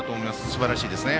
すばらしいですね。